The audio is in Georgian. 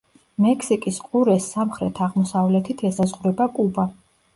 მექსიკის ყურეს სამხრეთ-აღმოსავლეთით ესაზღვრება კუბა.